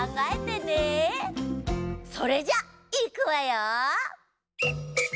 それじゃいくわよ。